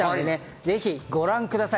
ぜひご覧ください。